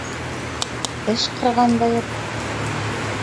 Эш ҡырған да юҡ.